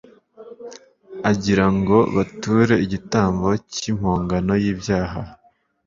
agira ngo bature igitambo cy'impongano y'ibyaha